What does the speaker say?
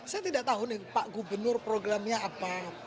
saya tidak tahu nih pak gubernur programnya apa